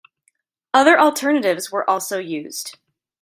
Other alternatives were also used.